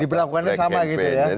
diberlakukannya sama gitu ya